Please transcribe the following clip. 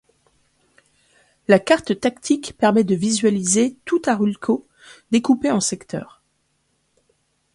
La carte tactique permet de visualiser tout Arulco, découpé en secteurs.